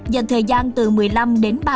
dành thời gian từ một mươi năm đến ba mươi